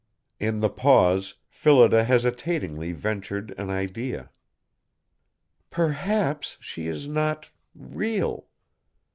In the pause, Phillida hesitatingly ventured an idea: "Perhaps she is not real.